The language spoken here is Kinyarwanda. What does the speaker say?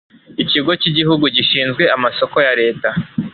ikigo cy igihugu gishinzwe amasoko ya leta